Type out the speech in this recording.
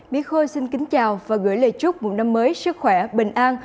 bí khôi xin kính chào và gửi lời chúc một năm mới sức khỏe bình an